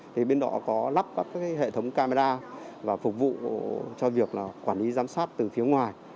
thì bên đó có lắp các hệ thống camera và phục vụ cho việc quản lý giám sát từ phía ngoài